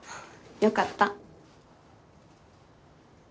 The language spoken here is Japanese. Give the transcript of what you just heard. よかった。